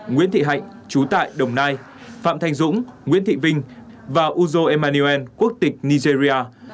nguyễn thị hạnh chú tại đồng nai phạm thanh dũng nguyễn thị vinh và uzo emmaniuel quốc tịch nigeria